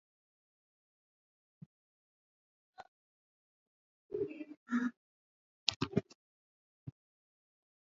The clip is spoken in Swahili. Ndigana kali ni ugonjwa wa mfumo wa upumuaji